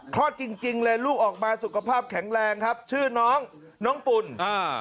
จริงจริงเลยลูกออกมาสุขภาพแข็งแรงครับชื่อน้องน้องปุ่นอ่า